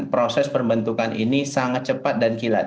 proses perbentukan ini sangat cepat dan kilat